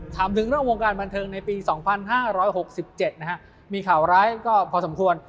ถามถึงเรื่องวงการบันเทิงในปี๒๕๖๗นะฮะมีข่าวร้ายก็พอสมควร